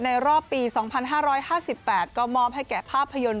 ในรอบปี๒๕๕๘ก็มอบให้แก่ภาพยนตร์เรื่อง